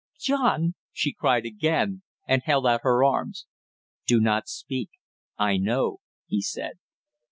"John " she cried again, and held out her arms. "Do not speak I know," he said.